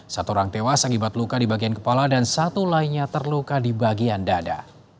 satu orang tewas akibat luka di bagian kepala dan satu lainnya terluka di bagian dada